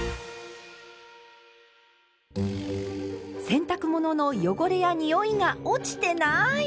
洗濯物の汚れやにおいが落ちてない！